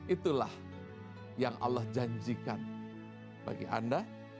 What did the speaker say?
itulah yang allah janjikan bagi anda